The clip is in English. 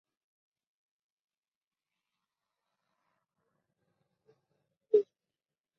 He began to dream of the complete extermination of the Jews.